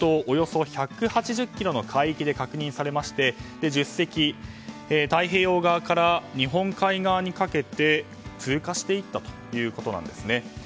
およそ１８０ｋｍの海域で確認されまして１０隻、太平洋側から日本海側にかけて通過していったということです。